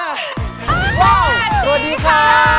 สวัสดีค่ะ